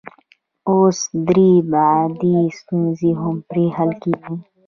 اوس درې بعدي ستونزې هم پرې حل کیږي.